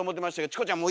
チコちゃん